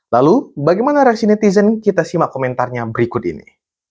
lalu bagaimana reaksi netizen kita simak komentarnya berikut ini